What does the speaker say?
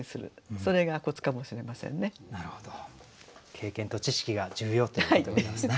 経験と知識が重要っていうことでございますね。